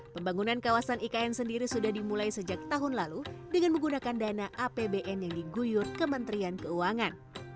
pembangunan kawasan ikn sendiri sudah dimulai sejak tahun lalu dengan menggunakan dana apbn yang diguyur kementerian keuangan